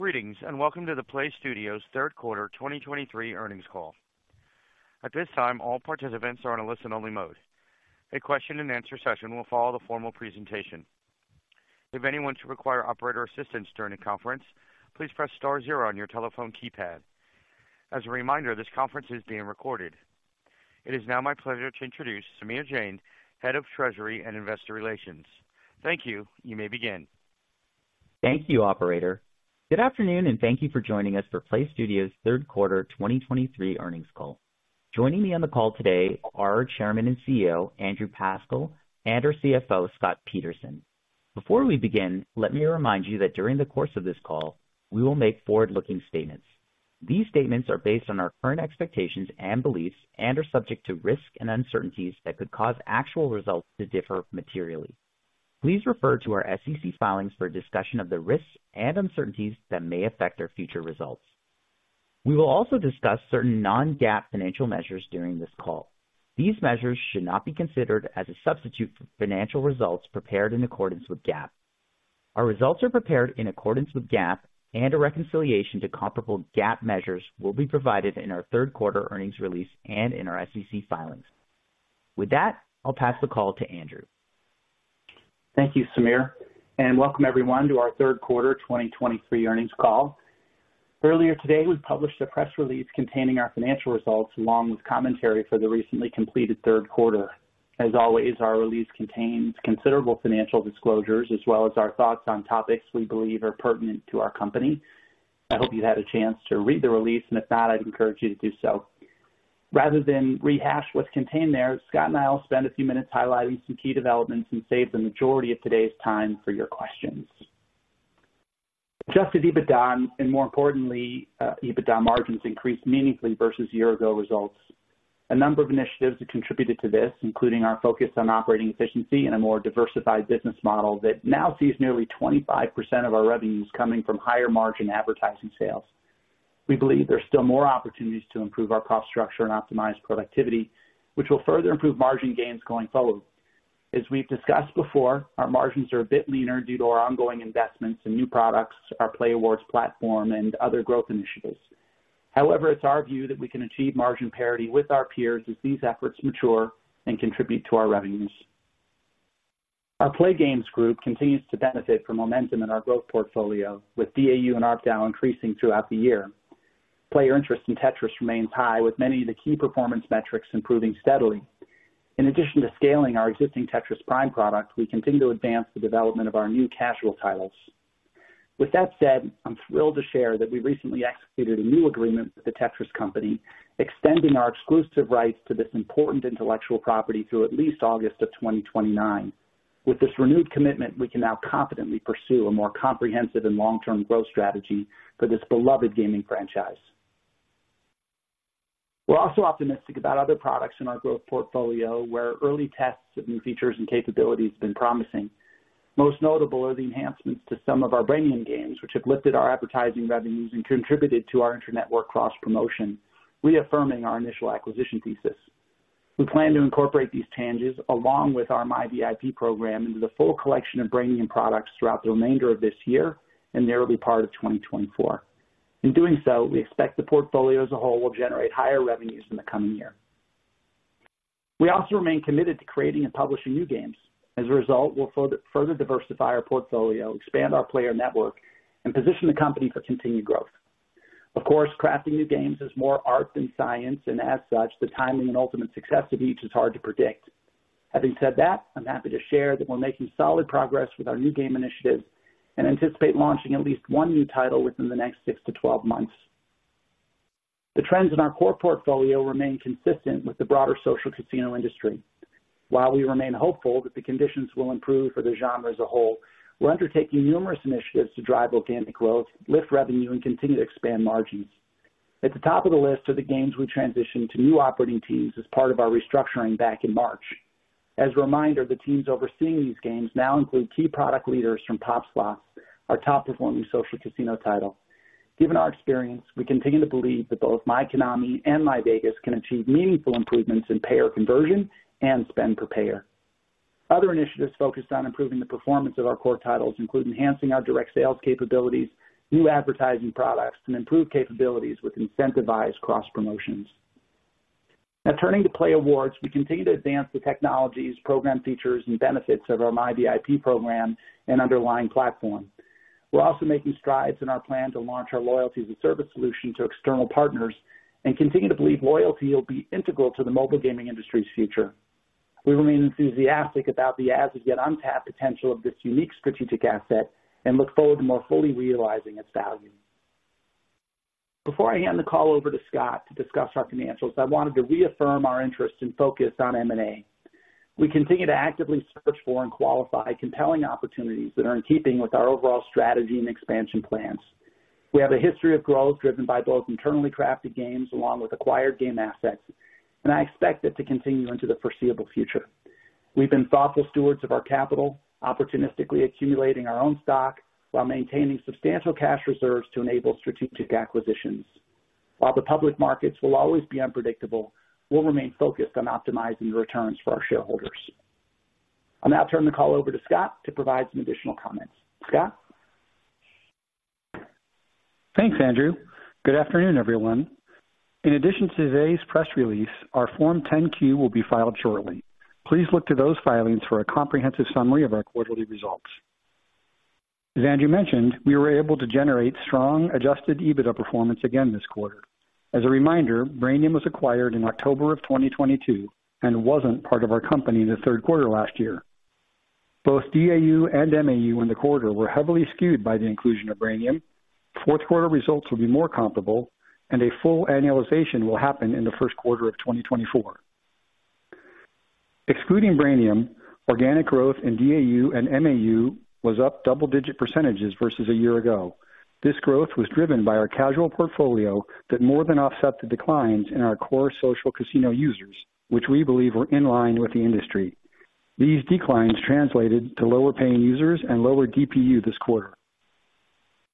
Greetings, and welcome to the PLAYSTUDIOS third quarter 2023 earnings call. At this time, all participants are on a listen-only mode. A question-and-answer session will follow the formal presentation. If anyone should require operator assistance during the conference, please press star zero on your telephone keypad. As a reminder, this conference is being recorded. It is now my pleasure to introduce Samir Jain, Head of Treasury and Investor Relations. Thank you. You may begin. Thank you, operator. Good afternoon, and thank you for joining us for PLAYSTUDIOS' third quarter 2023 earnings call. Joining me on the call today are our Chairman and CEO, Andrew Pascal, and our CFO, Scott Peterson. Before we begin, let me remind you that during the course of this call, we will make forward-looking statements. These statements are based on our current expectations and beliefs and are subject to risks and uncertainties that could cause actual results to differ materially. Please refer to our SEC filings for a discussion of the risks and uncertainties that may affect our future results. We will also discuss certain non-GAAP financial measures during this call. These measures should not be considered as a substitute for financial results prepared in accordance with GAAP. Our results are prepared in accordance with GAAP, and a reconciliation to comparable GAAP measures will be provided in our third quarter earnings release and in our SEC filings. With that, I'll pass the call to Andrew. Thank you, Samir, and welcome everyone to our third quarter 2023 earnings call. Earlier today, we published a press release containing our financial results, along with commentary for the recently completed third quarter. As always, our release contains considerable financial disclosures, as well as our thoughts on topics we believe are pertinent to our company. I hope you've had a chance to read the release, and if not, I'd encourage you to do so. Rather than rehash what's contained there, Scott and I will spend a few minutes highlighting some key developments and save the majority of today's time for your questions. Adjusted EBITDA and, more importantly, EBITDA margins increased meaningfully versus year-ago results. A number of initiatives have contributed to this, including our focus on operating efficiency and a more diversified business model that now sees nearly 25% of our revenues coming from higher-margin advertising sales. We believe there are still more opportunities to improve our cost structure and optimize productivity, which will further improve margin gains going forward. As we've discussed before, our margins are a bit leaner due to our ongoing investments in new products, our playAWARDS platform, and other growth initiatives. However, it's our view that we can achieve margin parity with our peers as these efforts mature and contribute to our revenues. Our playGAMES group continues to benefit from momentum in our growth portfolio, with DAU and ARPDAU increasing throughout the year. Player interest in Tetris remains high, with many of the key performance metrics improving steadily. In addition to scaling our existing Tetris Prime product, we continue to advance the development of our new casual titles. With that said, I'm thrilled to share that we recently executed a new agreement with the Tetris Company, extending our exclusive rights to this important intellectual property through at least August of 2029. With this renewed commitment, we can now confidently pursue a more comprehensive and long-term growth strategy for this beloved gaming franchise. We're also optimistic about other products in our growth portfolio, where early tests of new features and capabilities have been promising. Most notable are the enhancements to some of our Brainium games, which have lifted our advertising revenues and contributed to our inter-network cross-promotion, reaffirming our initial acquisition thesis. We plan to incorporate these changes along with our myVIP program into the full collection of Brainium products throughout the remainder of this year and the early part of 2024. In doing so, we expect the portfolio as a whole will generate higher revenues in the coming year. We also remain committed to creating and publishing new games. As a result, we'll further diversify our portfolio, expand our player network, and position the company for continued growth. Of course, crafting new games is more art than science, and as such, the timing and ultimate success of each is hard to predict. Having said that, I'm happy to share that we're making solid progress with our new game initiatives and anticipate launching at least one new title within the next 6-12 months. The trends in our core portfolio remain consistent with the broader social casino industry. While we remain hopeful that the conditions will improve for the genre as a whole, we're undertaking numerous initiatives to drive organic growth, lift revenue, and continue to expand margins. At the top of the list are the games we transitioned to new operating teams as part of our restructuring back in March. As a reminder, the teams overseeing these games now include key product leaders from POP! Slots, our top-performing social casino title. Given our experience, we continue to believe that both myKONAMI and myVEGAS can achieve meaningful improvements in payer conversion and spend per payer. Other initiatives focused on improving the performance of our core titles include enhancing our direct sales capabilities, new advertising products, and improved capabilities with incentivized cross-promotions. Now turning to playAWARDS, we continue to advance the technologies, program features, and benefits of our myVIP program and underlying platform. We're also making strides in our plan to launch our loyalty and service solution to external partners and continue to believe loyalty will be integral to the mobile gaming industry's future. We remain enthusiastic about the as-of-yet untapped potential of this unique strategic asset and look forward to more fully realizing its value. Before I hand the call over to Scott to discuss our financials, I wanted to reaffirm our interest and focus on M&A. We continue to actively search for and qualify compelling opportunities that are in keeping with our overall strategy and expansion plans. We have a history of growth driven by both internally crafted games along with acquired game assets, and I expect it to continue into the foreseeable future. We've been thoughtful stewards of our capital, opportunistically accumulating our own stock while maintaining substantial cash reserves to enable strategic acquisitions. While the public markets will always be unpredictable, we'll remain focused on optimizing returns for our shareholders. I'll now turn the call over to Scott to provide some additional comments. Scott? Thanks, Andrew. Good afternoon, everyone. In addition to today's press release, our Form 10-Q will be filed shortly. Please look to those filings for a comprehensive summary of our quarterly results. As Andrew mentioned, we were able to generate strong adjusted EBITDA performance again this quarter. As a reminder, Brainium was acquired in October of 2022 and wasn't part of our company in the third quarter last year. Both DAU and MAU in the quarter were heavily skewed by the inclusion of Brainium. Fourth quarter results will be more comparable, and a full annualization will happen in the first quarter of 2024. Excluding Brainium, organic growth in DAU and MAU was up double-digit percentages versus a year ago. This growth was driven by our casual portfolio that more than offset the declines in our core social casino users, which we believe were in line with the industry. These declines translated to lower paying users and lower DPU this quarter.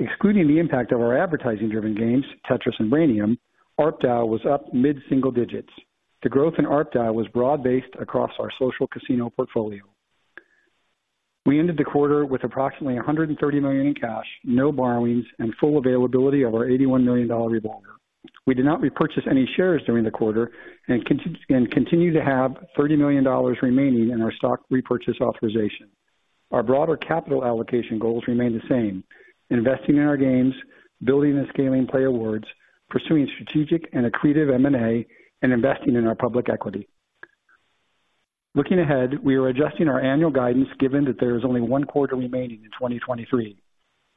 Excluding the impact of our advertising-driven games, Tetris and Brainium, ARPDAU was up mid-single digits. The growth in ARPDAU was broad-based across our social casino portfolio. We ended the quarter with approximately $130 million in cash, no borrowings, and full availability of our $81 million revolver. We did not repurchase any shares during the quarter and continue to have $30 million remaining in our stock repurchase authorization. Our broader capital allocation goals remain the same: investing in our games, building and scaling playAWARDS, pursuing strategic and accretive M&A, and investing in our public equity. Looking ahead, we are adjusting our annual guidance, given that there is only one quarter remaining in 2023.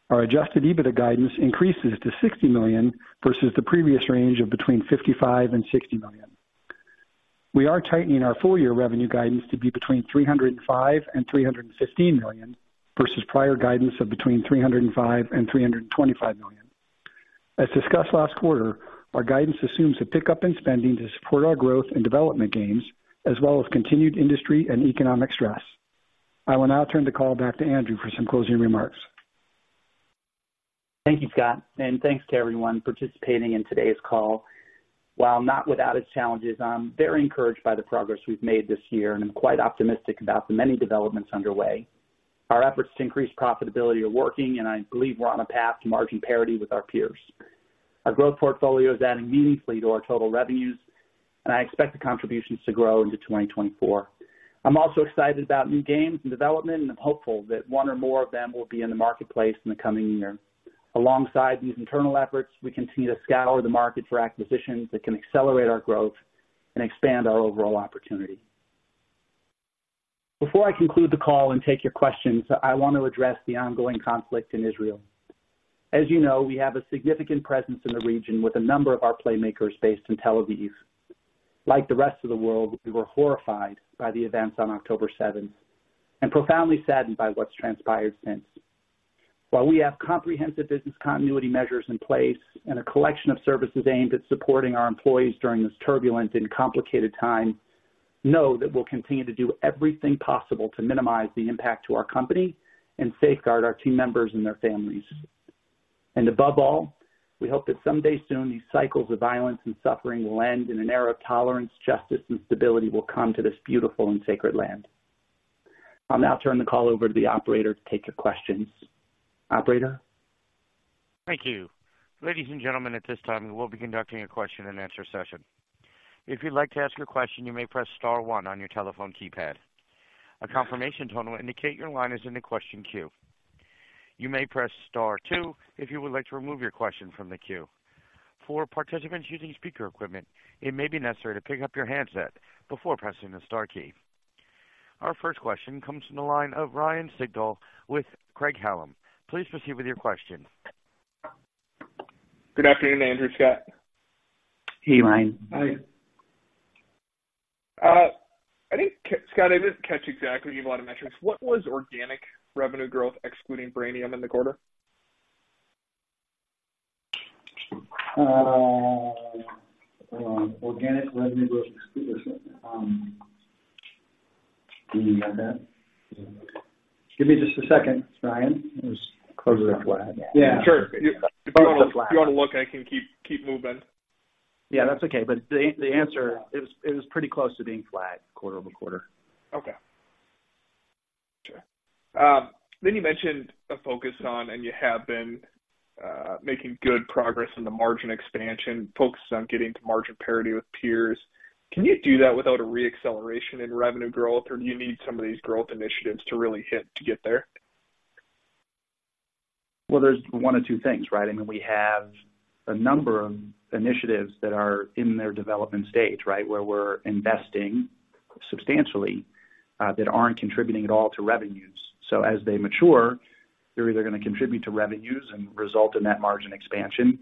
Our Adjusted EBITDA guidance increases to $60 million versus the previous range of between $55 million and $60 million. We are tightening our full year revenue guidance to be between $305 million and $315 million, versus prior guidance of between $305 million and $325 million. As discussed last quarter, our guidance assumes a pickup in spending to support our growth and development gains, as well as continued industry and economic stress. I will now turn the call back to Andrew for some closing remarks. Thank you, Scott, and thanks to everyone participating in today's call. While not without its challenges, I'm very encouraged by the progress we've made this year and am quite optimistic about the many developments underway. Our efforts to increase profitability are working, and I believe we're on a path to margin parity with our peers. Our growth portfolio is adding meaningfully to our total revenues, and I expect the contributions to grow into 2024. I'm also excited about new games and development, and I'm hopeful that one or more of them will be in the marketplace in the coming year. Alongside these internal efforts, we continue to scour the market for acquisitions that can accelerate our growth and expand our overall opportunity. Before I conclude the call and take your questions, I want to address the ongoing conflict in Israel. As you know, we have a significant presence in the region, with a number of our Playmakers based in Tel Aviv. Like the rest of the world, we were horrified by the events on October seventh and profoundly saddened by what's transpired since. While we have comprehensive business continuity measures in place and a collection of services aimed at supporting our employees during this turbulent and complicated time, know that we'll continue to do everything possible to minimize the impact to our company and safeguard our team members and their families. And above all, we hope that someday soon, these cycles of violence and suffering will end, and an era of tolerance, justice, and stability will come to this beautiful and sacred land. I'll now turn the call over to the operator to take your questions. Operator? Thank you. Ladies and gentlemen, at this time, we will be conducting a question-and-answer session. If you'd like to ask a question, you may press star one on your telephone keypad. A confirmation tone will indicate your line is in the question queue. You may press star two if you would like to remove your question from the queue. For participants using speaker equipment, it may be necessary to pick up your handset before pressing the star key. Our first question comes from the line of Ryan Sigdahl with Craig-Hallum. Please proceed with your question. Good afternoon, Andrew, Scott. Hey, Ryan. Hi. I think, Scott, I didn't catch exactly a lot of metrics. What was organic revenue growth excluding Brainium in the quarter? Organic revenue growth, do you have that? Give me just a second, Ryan. It was close to flat. Yeah. Sure. If you want to look, I can keep moving. Yeah, that's okay. But the answer, it was pretty close to being flat quarter-over-quarter. Okay. Sure. Then you mentioned a focus on, and you have been making good progress in the margin expansion, focusing on getting to margin parity with peers. Can you do that without a re-acceleration in revenue growth, or do you need some of these growth initiatives to really hit to get there? Well, there's one of two things, right? I mean, we have a number of initiatives that are in their development stage, right? Where we're investing substantially that aren't contributing at all to revenues. So as they mature, they're either going to contribute to revenues and result in that margin expansion,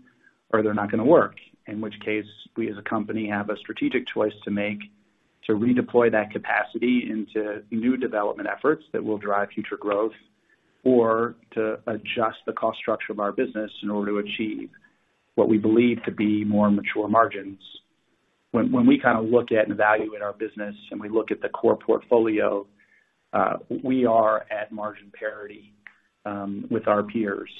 or they're not going to work, in which case we as a company have a strategic choice to make to redeploy that capacity into new development efforts that will drive future growth, or to adjust the cost structure of our business in order to achieve what we believe to be more mature margins. When, when we kind of look at and evaluate our business and we look at the core portfolio, we are at margin parity with our peers....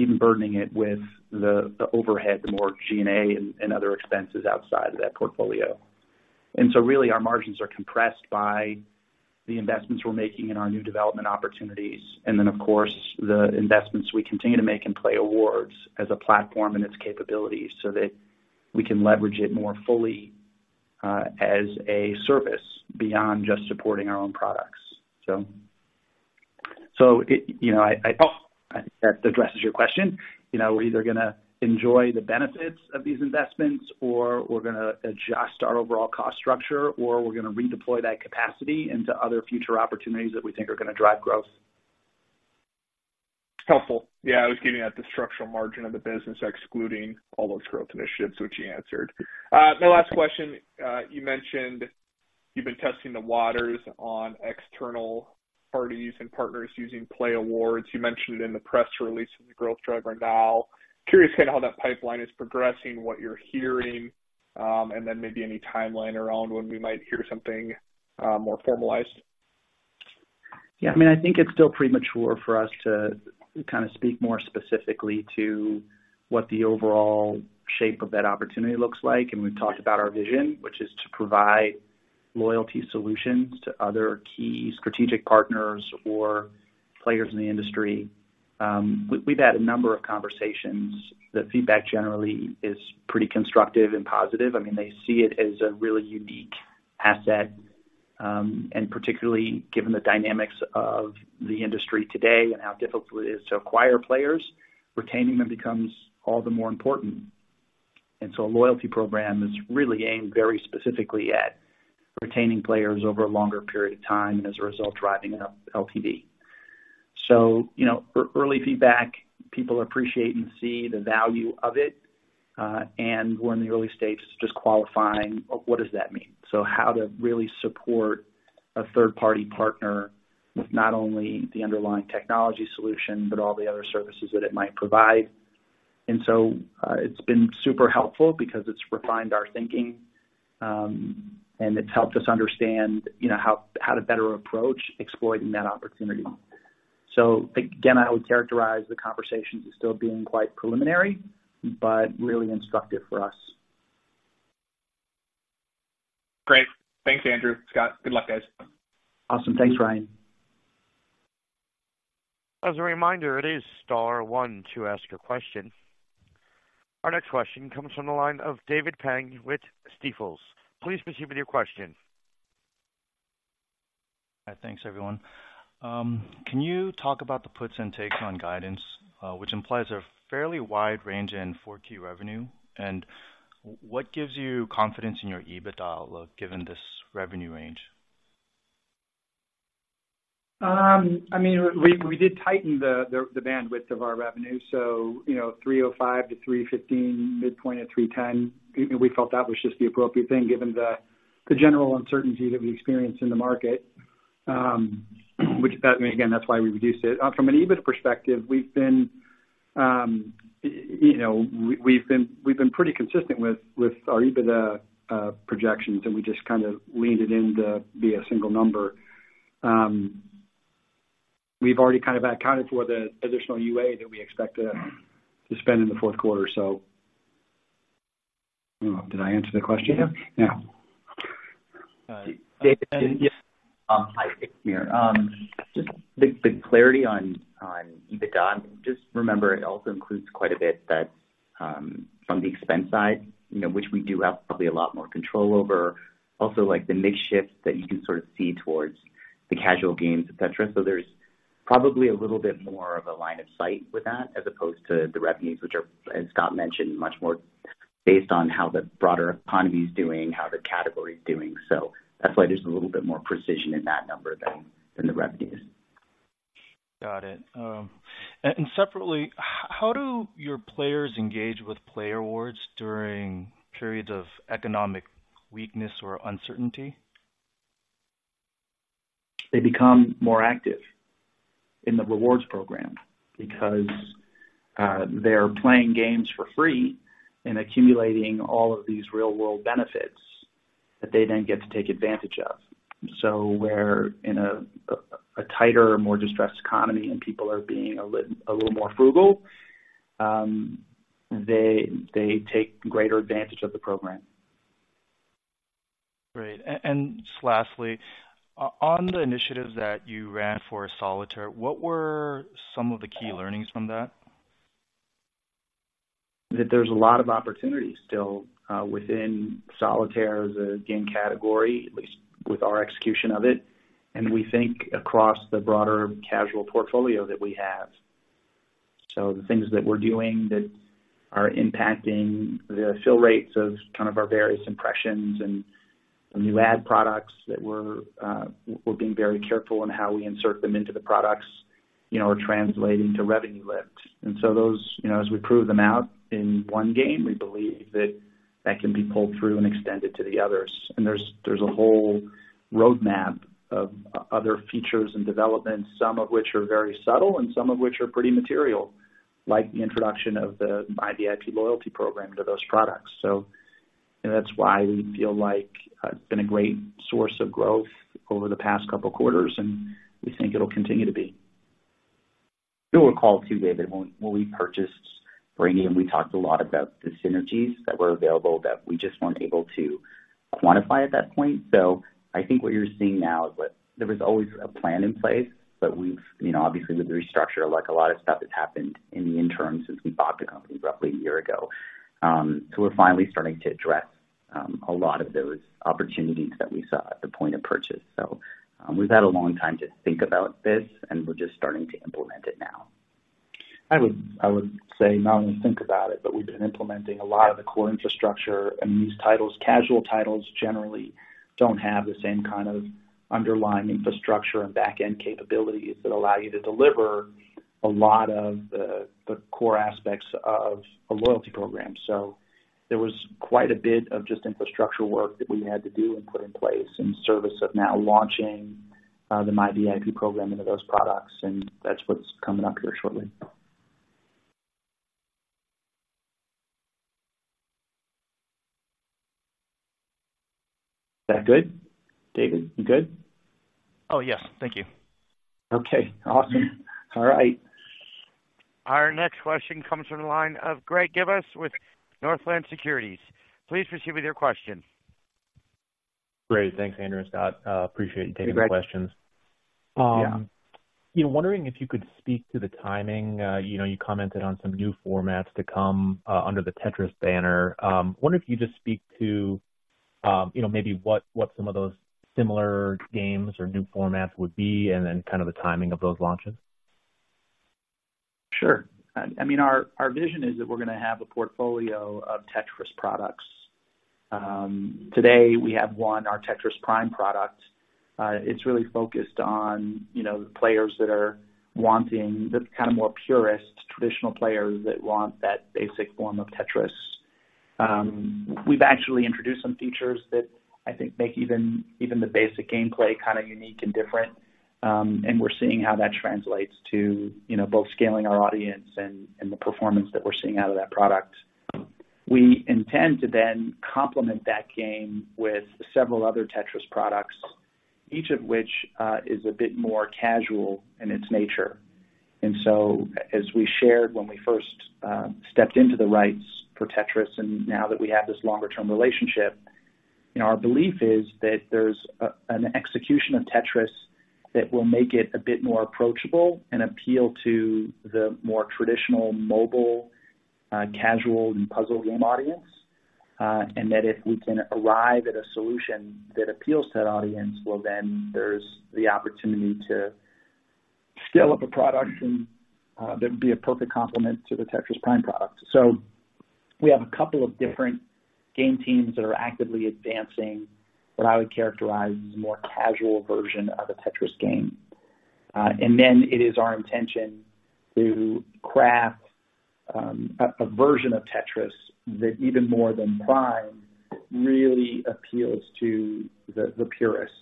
even burdening it with the, the overhead, the more G&A and other expenses outside of that portfolio. So really, our margins are compressed by the investments we're making in our new development opportunities. And then, of course, the investments we continue to make in playAWARDS as a platform and its capabilities so that we can leverage it more fully as a service beyond just supporting our own products. So it, you know, I think that addresses your question. You know, we're either gonna enjoy the benefits of these investments, or we're gonna adjust our overall cost structure, or we're gonna redeploy that capacity into other future opportunities that we think are gonna drive growth. Helpful. Yeah, I was getting at the structural margin of the business, excluding all those growth initiatives, which you answered. My last question, you mentioned you've been testing the waters on external parties and partners using playAWARDS. You mentioned it in the press release of the growth driver now. Curious how that pipeline is progressing, what you're hearing, and then maybe any timeline around when we might hear something more formalized? Yeah, I mean, I think it's still premature for us to kind of speak more specifically to what the overall shape of that opportunity looks like. And we've talked about our vision, which is to provide loyalty solutions to other key strategic partners or players in the industry. We've had a number of conversations. The feedback generally is pretty constructive and positive. I mean, they see it as a really unique asset, and particularly given the dynamics of the industry today and how difficult it is to acquire players, retaining them becomes all the more important. And so a loyalty program is really aimed very specifically at retaining players over a longer period of time, and as a result, driving up LTV. So, you know, early feedback, people appreciate and see the value of it, and we're in the early stages of just qualifying, what does that mean? So how to really support a third-party partner with not only the underlying technology solution, but all the other services that it might provide. And so, it's been super helpful because it's refined our thinking, and it's helped us understand, you know, how to better approach exploiting that opportunity. So again, I would characterize the conversations as still being quite preliminary, but really instructive for us. Great. Thanks, Andrew, Scott. Good luck, guys. Awesome. Thanks, Ryan. As a reminder, it is star one to ask a question. Our next question comes from the line of David Peng with Stifel. Please proceed with your question. Hi, thanks, everyone. Can you talk about the puts and takes on guidance, which implies a fairly wide range in 4Q revenue? And what gives you confidence in your EBITDA outlook, given this revenue range? I mean, we did tighten the bandwidth of our revenue, so, you know, $305-$315, midpoint of 310. We felt that was just the appropriate thing, given the general uncertainty that we experienced in the market. Which, again, that's why we reduced it. From an EBITDA perspective, we've been, you know, we've been pretty consistent with our EBITDA projections, and we just kind of leaned it in to be a single number. We've already kind of accounted for the additional UA that we expect to spend in the fourth quarter. So, I don't know, did I answer the question? Yeah. Yeah. Uh, David? Yes. Hi, Samir here. Just the clarity on EBITDA, just remember, it also includes quite a bit that from the expense side, you know, which we do have probably a lot more control over. Also, like the mix shift that you can sort of see towards the casual games, et cetera. So there's probably a little bit more of a line of sight with that, as opposed to the revenues, which are, as Scott mentioned, much more based on how the broader economy is doing, how the category is doing. So that's why there's a little bit more precision in that number than the revenues. Got it. And separately, how do your players engage with playAWARDS during periods of economic weakness or uncertainty? They become more active in the rewards program because they're playing games for free and accumulating all of these real-world benefits that they then get to take advantage of. So where in a tighter, more distressed economy and people are being a little more frugal, they take greater advantage of the program. Great. And just lastly, on the initiatives that you ran for Solitaire, what were some of the key learnings from that? That there's a lot of opportunity still within Solitaire as a game category, at least with our execution of it, and we think across the broader casual portfolio that we have. So the things that we're doing that are impacting the fill rates of kind of our various impressions and the new ad products that we're, we're being very careful in how we insert them into the products, you know, are translating to revenue lift. And so those, you know, as we prove them out in one game, we believe that that can be pulled through and extended to the others. And there's a whole roadmap of other features and developments, some of which are very subtle and some of which are pretty material, like the introduction of the VIP loyalty program to those products. So that's why we feel like it's been a great source of growth over the past couple quarters, and we think it'll continue to be. You'll recall, too, David, when we purchased Brainium, we talked a lot about the synergies that were available that we just weren't able to quantify at that point. So I think what you're seeing now is what there was always a plan in place, but we've, you know, obviously, with the restructure, like, a lot of stuff has happened in the interim since we bought the company roughly a year ago. So we're finally starting to address a lot of those opportunities that we saw at the point of purchase. So, we've had a long time to think about this, and we're just starting to implement it now. I would, I would say not only think about it, but we've been implementing a lot of the core infrastructure, and these titles, casual titles, generally don't have the same kind of underlying infrastructure and back-end capabilities that allow you to deliver a lot of the, the core aspects of a loyalty program. So there was quite a bit of just infrastructure work that we had to do and put in place in service of now launching the myVIP program into those products, and that's what's coming up here shortly. Is that good? David, you good? Oh, yes. Thank you. Okay, awesome. All right. Our next question comes from the line of Greg Gibas with Northland Securities. Please proceed with your question. Great. Thanks, Andrew and Scott. Appreciate you taking the questions. Yeah. You know, wondering if you could speak to the timing. You know, you commented on some new formats to come, under the Tetris banner. Wonder if you just speak to, you know, maybe what, what some of those similar games or new formats would be, and then kind of the timing of those launches? Sure. I mean, our vision is that we're going to have a portfolio of Tetris products. Today, we have one, our Tetris Prime product. It's really focused on, you know, the players that are wanting the kind of more purist, traditional players that want that basic form of Tetris. We've actually introduced some features that I think make even the basic gameplay kind of unique and different, and we're seeing how that translates to, you know, both scaling our audience and the performance that we're seeing out of that product. We intend to then complement that game with several other Tetris products, each of which is a bit more casual in its nature. And so as we shared when we first stepped into the rights for Tetris, and now that we have this longer-term relationship, you know, our belief is that there's an execution of Tetris that will make it a bit more approachable and appeal to the more traditional mobile casual and puzzle game audience. And that if we can arrive at a solution that appeals to that audience, well, then there's the opportunity to scale up a product, and that would be a perfect complement to the Tetris Prime product. So we have a couple of different game teams that are actively advancing what I would characterize as a more casual version of a Tetris game. And then it is our intention to craft a version of Tetris that, even more than Prime, really appeals to the purist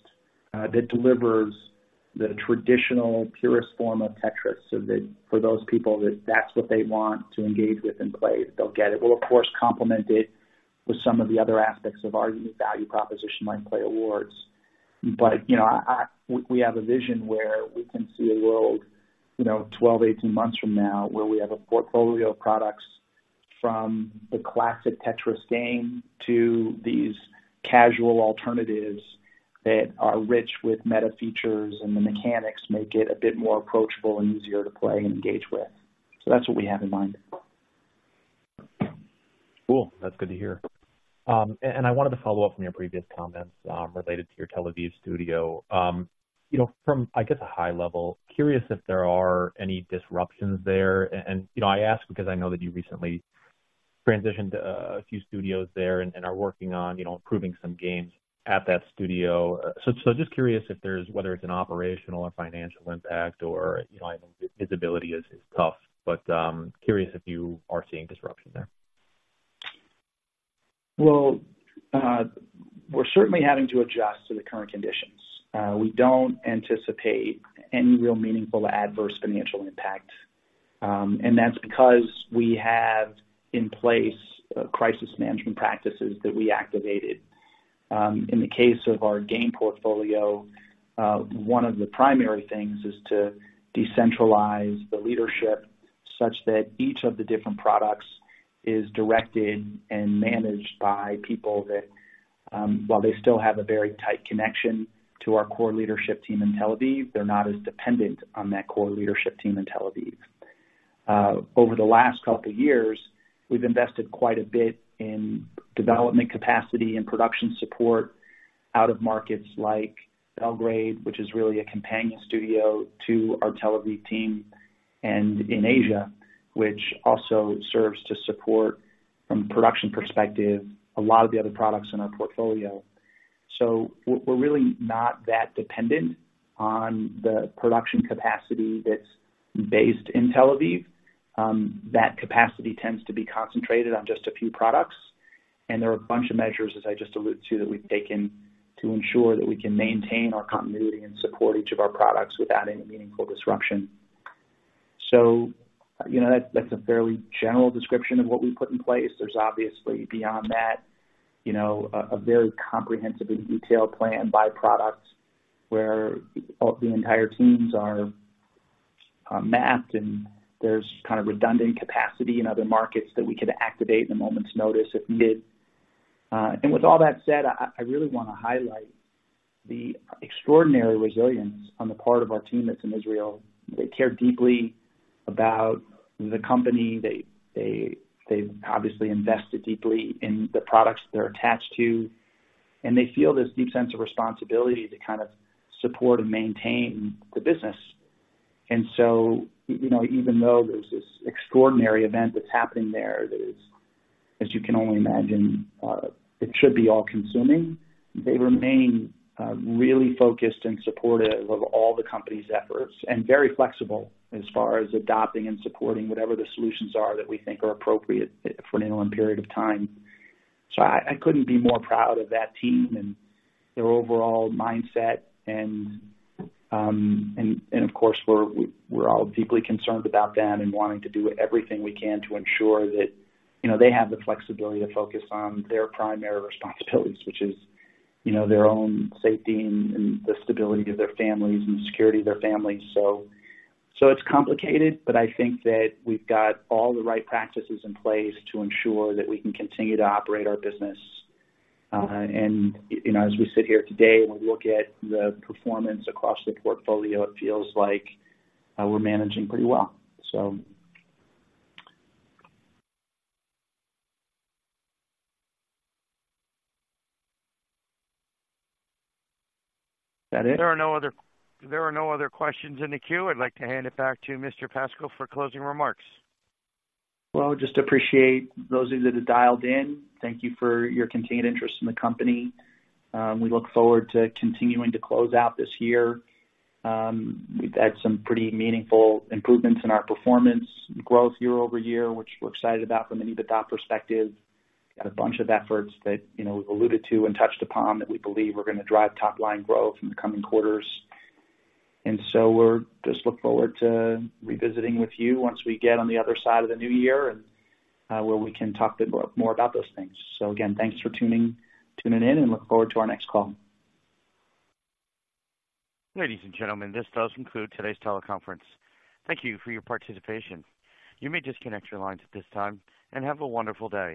that delivers the traditional purist form of Tetris, so that for those people, that's what they want to engage with and play, they'll get it. We'll, of course, complement it with some of the other aspects of our unique value proposition, like playAWARDS. But, you know, we have a vision where we can see a world, you know, 12, 18 months from now, where we have a portfolio of products from the classic Tetris game to these casual alternatives that are rich with meta features, and the mechanics make it a bit more approachable and easier to play and engage with. So that's what we have in mind. Cool! That's good to hear. And I wanted to follow up from your previous comments related to your Tel Aviv studio. You know, from, I guess, a high level, curious if there are any disruptions there. And you know, I ask because I know that you recently transitioned a few studios there and are working on, you know, improving some games at that studio. So just curious if there's, whether it's an operational or financial impact or, you know, I know visibility is tough, but curious if you are seeing disruption there. Well, we're certainly having to adjust to the current conditions. We don't anticipate any real meaningful adverse financial impact, and that's because we have in place crisis management practices that we activated. In the case of our game portfolio, one of the primary things is to decentralize the leadership such that each of the different products is directed and managed by people that, while they still have a very tight connection to our core leadership team in Tel Aviv, they're not as dependent on that core leadership team in Tel Aviv. Over the last couple years, we've invested quite a bit in development capacity and production support out of markets like Belgrade, which is really a companion studio to our Tel Aviv team, and in Asia, which also serves to support, from production perspective, a lot of the other products in our portfolio. So we're, we're really not that dependent on the production capacity that's based in Tel Aviv. That capacity tends to be concentrated on just a few products, and there are a bunch of measures, as I just alluded to, that we've taken to ensure that we can maintain our continuity and support each of our products without any meaningful disruption. So, you know, that's, that's a fairly general description of what we put in place. There's obviously, beyond that, you know, a very comprehensive and detailed plan by product, where all the entire teams are mapped, and there's kind of redundant capacity in other markets that we could activate in a moment's notice if needed. And with all that said, I really wanna highlight the extraordinary resilience on the part of our team that's in Israel. They care deeply about the company. They've obviously invested deeply in the products they're attached to, and they feel this deep sense of responsibility to kind of support and maintain the business. And so, you know, even though there's this extraordinary event that's happening there, that is, as you can only imagine, it should be all-consuming. They remain really focused and supportive of all the company's efforts, and very flexible as far as adopting and supporting whatever the solutions are that we think are appropriate for an interim period of time. So I couldn't be more proud of that team and their overall mindset. And of course, we're all deeply concerned about them and wanting to do everything we can to ensure that, you know, they have the flexibility to focus on their primary responsibilities, which is, you know, their own safety and the stability of their families and the security of their families. So it's complicated, but I think that we've got all the right practices in place to ensure that we can continue to operate our business. You know, as we sit here today, when we look at the performance across the portfolio, it feels like we're managing pretty well, so. Is that it? There are no other questions in the queue. I'd like to hand it back to Mr. Pascal for closing remarks. Well, just appreciate those of you that have dialed in. Thank you for your continued interest in the company. We look forward to continuing to close out this year. We've had some pretty meaningful improvements in our performance growth year-over-year, which we're excited about from an EBITDA perspective. Got a bunch of efforts that, you know, we've alluded to and touched upon, that we believe are gonna drive top line growth in the coming quarters. And so we're just look forward to revisiting with you once we get on the other side of the new year and where we can talk a bit more about those things. So again, thanks for tuning in, and look forward to our next call. Ladies and gentlemen, this does conclude today's teleconference. Thank you for your participation. You may disconnect your lines at this time, and have a wonderful day.